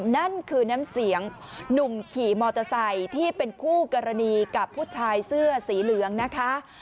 นั่นคือน้ำเสียงหนุ่มขี่มอเตอร์ไซค์ที่เป็นคู่กรณีกับผู้ชายเสื้อสีเหลืองนะคะ